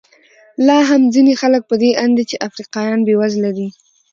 لا هم ځینې خلک په دې اند دي چې افریقایان بېوزله دي.